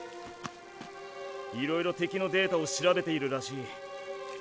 いろいろ敵のデータを調べているらしい。